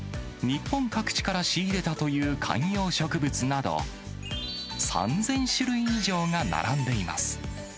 日本各地から仕入れたという観葉植物など、３０００種類以上が並んでいます。